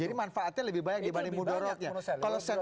jadi manfaatnya lebih banyak dibanding muda rotnya